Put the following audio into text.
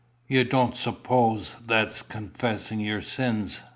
"You don't suppose that's confessing your sins?"